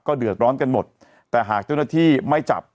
เดือดร้อนกันหมดแต่หากเจ้าหน้าที่ไม่จับ